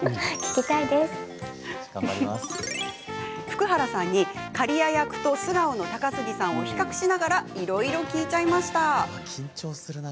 福原さんに、刈谷役と素顔の高杉さんを比較しながらいろいろ聞いちゃいました。